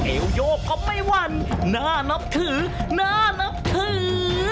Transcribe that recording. เอวโยกก็ไม่หวั่นน่านับถือน่านับถือ